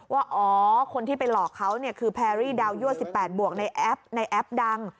ว่าคนที่ไปหลอกเขาคือแพรรี่ดาวน์ยั่ว๑๘บวกในแอปดัง